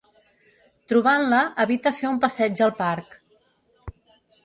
Trobant-la, evita fer un passeig al parc.